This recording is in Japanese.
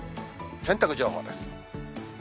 洗濯情報です。